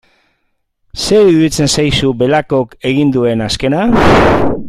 Zer iruditzen zaizu Belakok egin duen azkena?